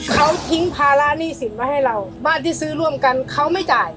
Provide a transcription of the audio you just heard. เขาทิ้งภาระหนี้สินไว้ให้เราบ้านที่ซื้อร่วมกันเขาไม่จ่าย